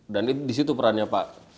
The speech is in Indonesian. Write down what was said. dan disitu perannya pak